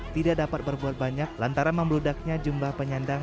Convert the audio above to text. tidak dapat berbuat banyak lantaran membludaknya jumlah penyandang